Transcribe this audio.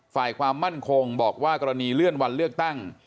ฝ่ายความมั่นคงบอกว่ากรณีเลื่อนวันเลือกตั้ง